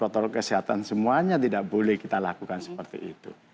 protokol kesehatan semuanya tidak boleh kita lakukan seperti itu